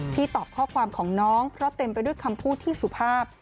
ตอบข้อความของน้องเพราะเต็มไปด้วยคำพูดที่สุภาพ